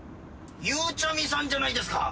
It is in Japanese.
ゆうちゃみさんじゃないですか。